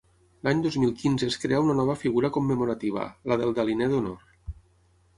L'any dos mil quinze es crea una nova figura commemorativa, la del Daliner d'Honor.